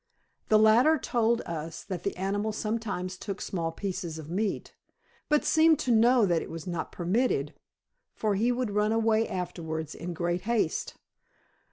The latter told us that the animal sometimes took small pieces of meat, but seemed to know that it was not permitted, for he would run away afterwards in great haste.